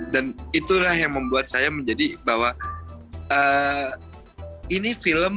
dan itulah yang membuat saya menjadi bahwa ini film bukan sekedar film